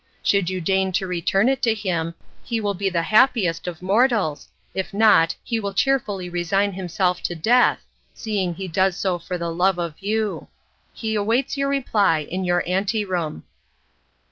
Should you deign to return it to him he will be the happiest of mortals, if not he will cheerfully resign himself to death, seeing he does so for love of you. He awaits your reply in your ante room."